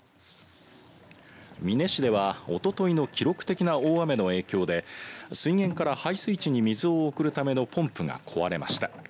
美祢市ではおとといの記録的な大雨の影響で水源から配水池に水を送るためのポンプが壊れました。